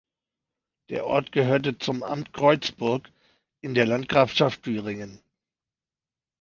Der Ort gehörte zum Amt Creuzburg in der Landgrafschaft Thüringen.